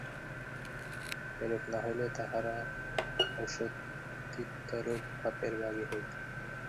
এরূপ না হইলে তাঁহারা অসতীত্ব-রূপ পাপের ভাগী হইতেন।